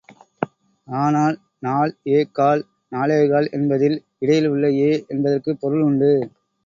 ஆனால், நால் ஏ கால் நாலேகால் என்பதில், இடையில் உள்ள ஏ என்பதற்குப் பொருள் உண்டு.